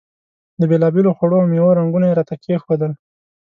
د بېلابېلو خوړو او میوو رنګونه یې راته کېښودل.